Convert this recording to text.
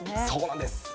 そうなんです。